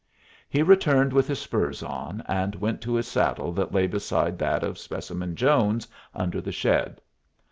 He returned with his spurs on, and went to his saddle that lay beside that of Specimen Jones under the shed.